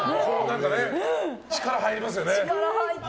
力入りますよね。